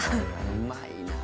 うまいなあ。